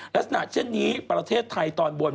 ลักษณะเช่นนี้ประเทศไทยตอนบน